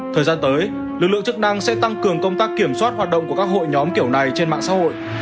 thời gian tới lực lượng chức năng sẽ tăng cường công tác kiểm soát hoạt động của các hội nhóm kiểu này trên mạng xã hội